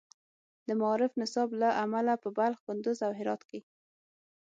د معارف نصاب له امله په بلخ، کندز، او هرات کې